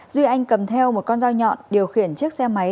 duy anh cầm theo một con dao nhọn điều khiển chiếc xe máy